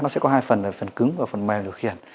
nó sẽ có hai phần là phần cứng và phần mềm để điều khiển